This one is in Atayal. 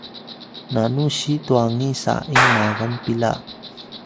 nanu siy twangiy sa’ing magan pila